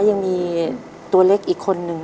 ยังมีตัวเล็กอีกคนนึง